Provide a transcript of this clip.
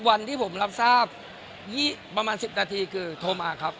วันที่ผมรับทราบประมาณ๑๐นาทีคือโทรมาครับ